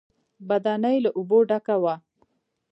بدنۍ له اوبو ډکه وه.